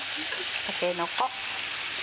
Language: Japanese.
たけのこ。